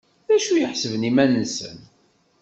D acu i ḥesben iman-nsen?